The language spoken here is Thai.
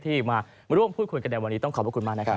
ที่มาร่วมพูดกันกันในวันนี้ต้องขอบคุณมาก